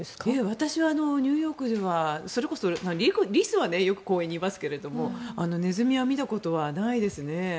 私はニューヨークではそれこそリスはよく公園にいますけどネズミは見たことはないですね。